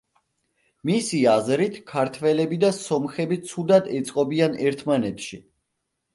მისი აზრით, ქართველები და სომხები ცუდად ეწყობიან ერთმანეთში.